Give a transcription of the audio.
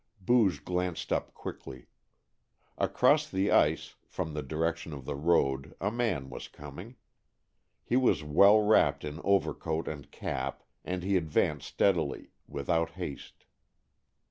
Booge glanced up quickly. Across the ice, from the direction of the road a man was coming. He was well wrapped in overcoat and cap and he advanced steadily, without haste.